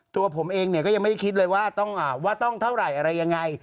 ตัวผมเองเนี่ยก็ยังไม่ได้คิดเลยว่าต้องเท่าไหร่อะไรยังไง